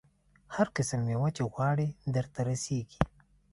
هر قسم مېوه چې وغواړې درته رسېږي.